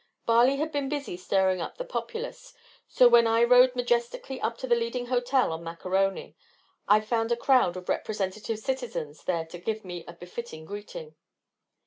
Barley had been busy stirring up the populace, so when I rode majestically up to the leading hotel on Mac A'Rony, I found a crowd of representative citizens there to give me a befitting greeting.